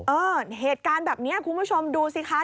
เออเหตุการณ์แบบนี้คุณผู้ชมดูสิคะ